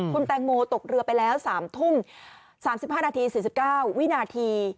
คุณแตงโมตกเรือไปแล้ว๓ทุ่ม๓๕นาที๔๙วินาที